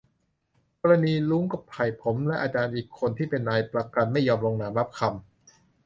กรณีรุ้ง กับไผ่ ผมและอาจารย์อีกคนที่เป็นนายประกันไม่ยอมลงนามรับคำ